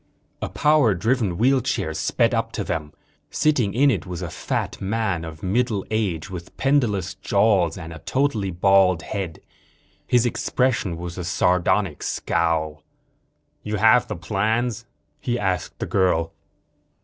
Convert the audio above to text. A power driven wheelchair sped up to them. Sitting in it was a fat man of middle age, with pendulous jowls and a totally bald head. His expression was a sardonic scowl. "You have the plans?" he asked the girl.